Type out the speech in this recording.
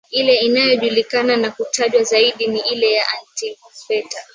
ile inayojulikana na kutajwa zaidi ni ile ya Antipater